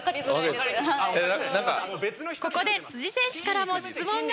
ここで選手からも質問が。